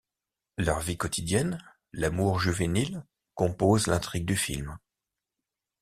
Leur vie quotidienne, l'amour juvénile composent l'intrigue du film.